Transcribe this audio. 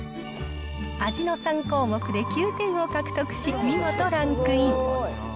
味の３項目で９点を獲得し、見事ランクイン。